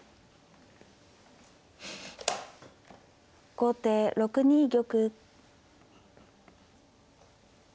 後手６二玉。